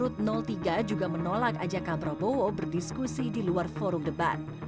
tiga juga menolak ajakan prabowo berdiskusi di luar forum debat